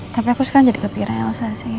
tapi aku sekarang jadi kepikiran saya sih